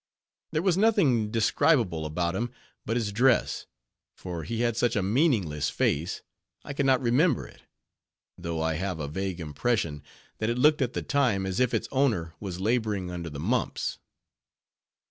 There was nothing describable about him but his dress; for he had such a meaningless face, I can not remember it; though I have a vague impression, that it looked at the time, as if its owner was laboring under the mumps.